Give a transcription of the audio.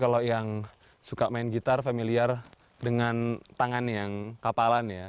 kalau yang suka main gitar familiar dengan tangan yang kapalan ya